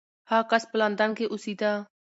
هغه کس په لندن کې اوسېده.